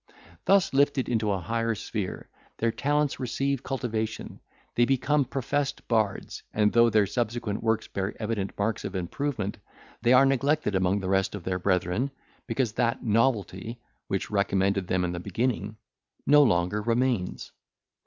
Thus, lifted into a higher sphere, their talents receive cultivation; they become professed bards, and though their subsequent works bear evident marks of improvement, they are neglected among the rest of their brethren, because that novelty, which recommended them in the beginning, no longer remains.